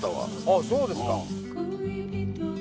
あっそうですか。